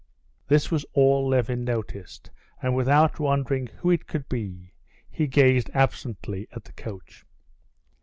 This was all Levin noticed, and without wondering who it could be, he gazed absently at the coach.